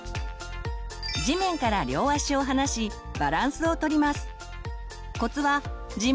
地面から両足を離しバランスをとります。